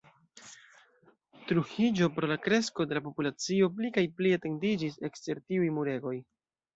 Trujillo, pro la kresko de la populacio, pli kaj pli etendiĝis ekster tiuj muregoj.